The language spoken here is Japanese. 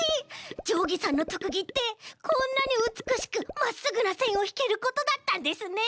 じょうぎさんのとくぎってこんなにうつくしくまっすぐなせんをひけることだったんですね！